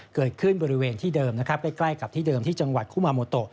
เกิดขึ้นบริเวณที่เดิมนะครับใกล้กับที่เดิมที่จังหวัดคุมาโมโต